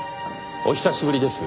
お久しぶりです。